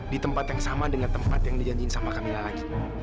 di tempat yang sama dengan tempat yang dijanjikan sama kami lagi